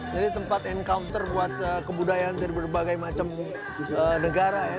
jadi tempat encounter buat kebudayaan dari berbagai macam negara